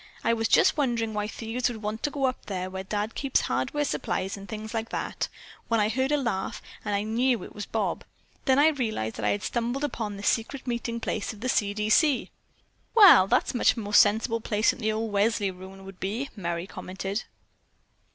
I was just wondering why thieves would want to go up there where Dad keeps hardware supplies and things like that, when I heard a laugh, and I knew it was Bob. Then I realized that I had stumbled on the secret meeting place of the 'C. D. C.'" "Well, that's a much more sensible place than the old Welsley ruin would be," Merry commented.